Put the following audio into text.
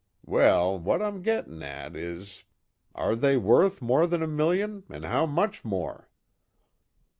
Well, what I'm gettin' at is are they worth more than a million, 'n' how much more?"